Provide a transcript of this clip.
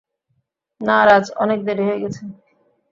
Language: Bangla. না রাজ, অনেক দেরি হয়ে গেছে।